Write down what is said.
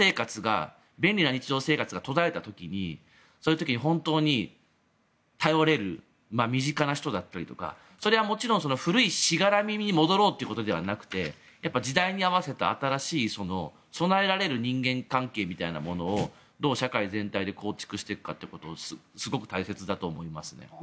便利な日常生活が途絶えた時にそういう時に本当に頼れる身近な人だったりとかそれはもちろん古いしがらみに戻ろうということではなくて時代に合わせた新しい備えられる人間関係みたいなものをどう、社会全体で構築していくかってことがすごく大切だと思いますね。